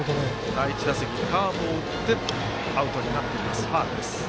第１打席、カーブを打ってアウトになっています。